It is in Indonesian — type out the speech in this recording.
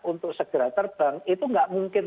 untuk segera terbang itu nggak mungkin